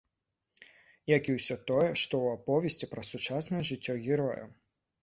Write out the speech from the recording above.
Як і ўсё тое, што ў аповесці пра сучаснае жыццё героя.